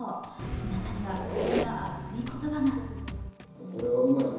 中には、こんな熱い言葉が。